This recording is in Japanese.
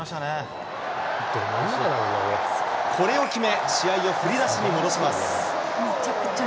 これを決め、試合を振り出しに戻します。